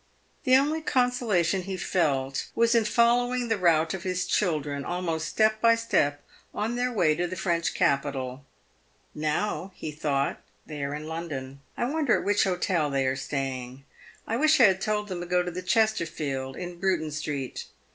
The only consolation he felt was in following the route of his children, almost step by step, on their way to the French capital. " Now," he thought, " they are in London. I wonder at which hotel they are staying ? I wish I had told them to go to the Chesterfield, in Bruton street.